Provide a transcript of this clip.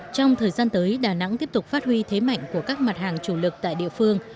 trong thời gian tới đà nẵng tiếp tục phát huy thế mạnh của các mặt hàng chủ lực tại địa phương